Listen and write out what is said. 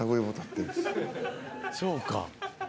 ［そうか］